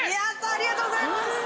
ありがとうございます。